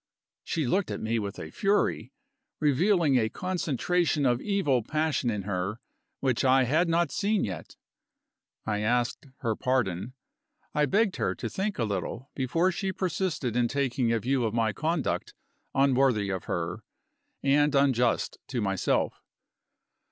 She looked at me with a fury, revealing a concentration of evil passion in her which I had not seen yet. I asked her pardon; I begged her to think a little before she persisted in taking a view of my conduct unworthy of her, and unjust to myself.